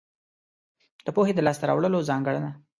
د پوهې د لاس ته راوړلو ځانګړنه.